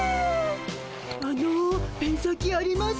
あのペン先あります？